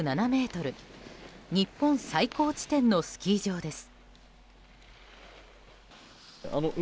日本最高地点のスキー場です。